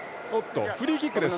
フリーキックです。